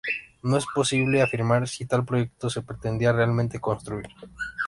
No es posible afirmar si tal proyecto se pretendía realmente construir.